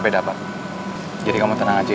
kita cari bening lagi